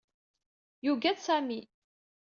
Yuggad Sami.